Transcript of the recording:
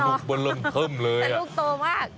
โอ้โหลูกบะเริ่มเพิ่มเลยแต่ลูกโตมาก